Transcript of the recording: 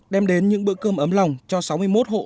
đem đến những bữa cơm ấm lòng cho sáu mươi một hộ